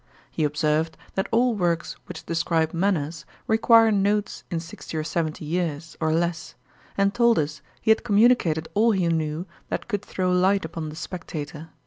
He observed, that all works which describe manners, require notes in sixty or seventy years, or less; and told us, he had communicated all he knew that could throw light upon The Spectator.